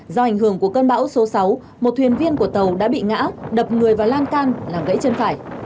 do ảnh hưởng của cơn bão số sáu một thuyền viên của tàu đã bị ngã đập người và lan can làm gãy chân phải